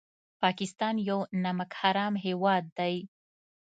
پاکستان یو نمک حرام هېواد دی